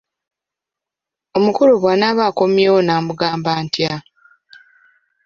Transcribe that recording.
Omukulu bwanaaba akomyewo nnaamugamba ntya?